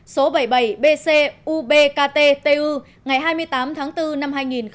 số bảy mươi bảy bcubkttu ngày hai mươi tám tháng bốn năm hai nghìn một mươi bảy